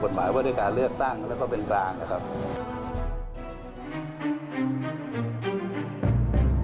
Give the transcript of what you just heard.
บทหกาเลือกตั้งและก็เป็นกลาง